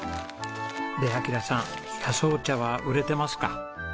で暁良さん野草茶は売れてますか？